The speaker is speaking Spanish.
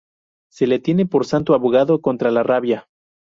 Se le tiene por santo abogado contra la rabia.